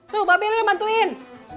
tuh mbak bela bantuin